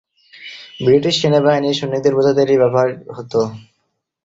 British সেনাবাহিনীর সৈনিকদের বোঝাতে এটি ব্যবহার হত।